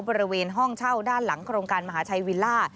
บริเวณห้องเช่าด้านหลังโครงการมหาชัยวิลล่า